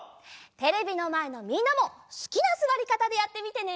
テレビのまえのみんなもすきなすわりかたでやってみてね。